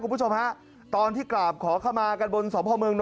คุณผู้ชมฮะตอนที่กราบขอเข้ามากันบนสพเมืองน